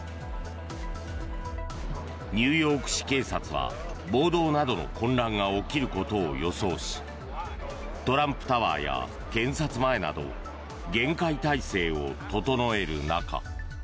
ニューヨーク市警察は暴動などの混乱が起きることを予想しトランプタワーや検察前など厳戒態勢を整える中。